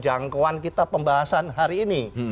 jangkauan kita pembahasan hari ini